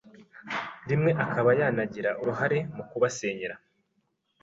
rimwe akaba yanagira uruhare mu kubasenyera,